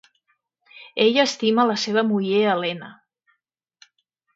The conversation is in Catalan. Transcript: Ell estima la seva muller Helena.